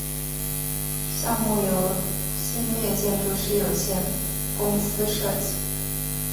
项目由兴业建筑师有限公司设计。